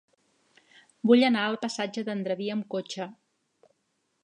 Vull anar al passatge d'Andreví amb cotxe.